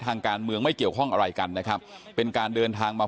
ทางการเมืองไม่เกี่ยวข้องอะไรกันนะครับเป็นการเดินทางมา